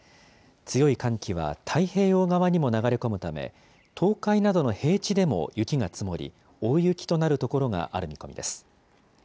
強い寒気は太平洋側にも流れ込むため、東海などの平地でも雪が積もり、大雪となる所がある見込みです。